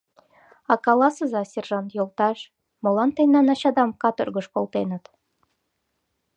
А каласыза, сержант йолташ, молан тендан ачадам каторгыш колтеныт?